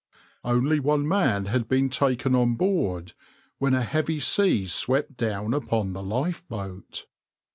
Only one man had been taken on board, when a heavy sea swept down upon the lifeboat.